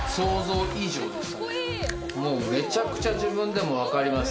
もうめちゃくちゃ自分でも分かります。